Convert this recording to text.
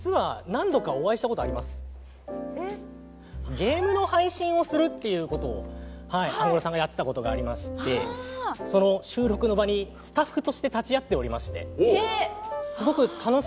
ゲームの配信をするっていう事をアンゴラさんがやってた事がありましてその収録の場にスタッフとして立ち会っておりまして。